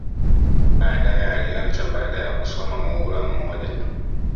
Baadae aliacha baada ya kusoma muhula mmoja